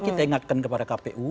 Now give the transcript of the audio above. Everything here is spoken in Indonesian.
kita ingatkan kepada kpu